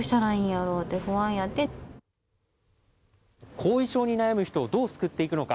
後遺症に悩む人をどう救っていくのか。